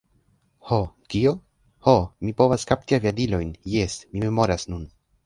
Ho, kio? Ho, mi povas kapti aviadilojn, jes, mi memoras nun.